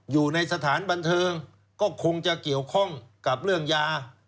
อยู่ในสถานบันเทิงก็คงจะเกี่ยวข้องกับเรื่องยา